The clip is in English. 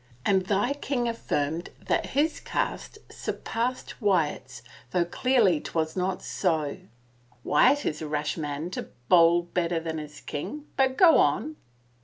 " And thy king affirmed that his cast surpassed Wyatt's though clearly 'twas not so." 83 THE FAVOR OF KINGS " Wyatt IS a rash man to bowl better than his king. But go on."